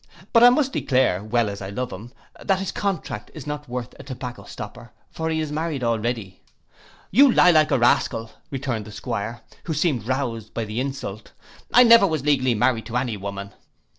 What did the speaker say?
But I must declare, well as I love him, that his contract is not worth a tobacco stopper, for he is married already.'—'You lie, like a rascal,' returned the 'Squire, who seemed rouzed by this insult, 'I never was legally married to any woman.